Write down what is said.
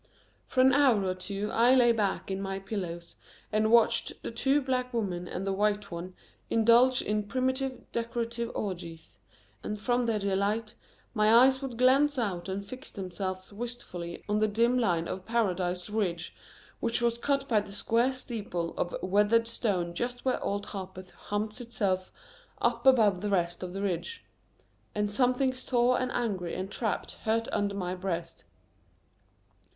For an hour or two I lay back in my pillows and watched the two black women and the white one indulge in primitive decorative orgies, and from their delight my eyes would glance out and fix themselves wistfully on the dim line of Paradise Ridge which was cut by the square steeple of weathered stone just where Old Harpeth humps itself up above the rest of the Ridge; and something sore and angry and trapped hurt under my breast.